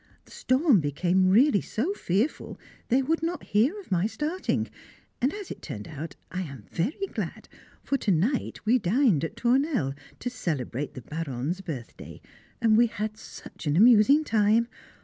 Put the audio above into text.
The storm became really so fearful they would not hear of my starting, and as it has turned out I am very glad, for to night we dined at Tournelle to celebrate the Baronne's birthday, and we had such an amusing time.